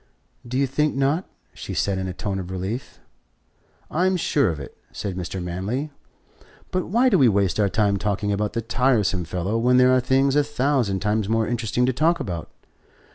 "Do you think not?" she said in a tone of relief. "I'm sure of it," said Mr. Manley. "But why do we waste our time talking about the tiresome fellow when there are things a thousand times more interesting to talk about?